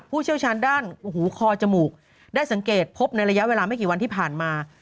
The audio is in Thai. เชี่ยวชาญด้านหูคอจมูกได้สังเกตพบในระยะเวลาไม่กี่วันที่ผ่านมา